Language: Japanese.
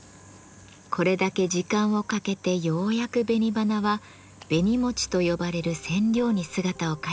これだけ時間をかけてようやく紅花は「紅餅」と呼ばれる染料に姿を変えます。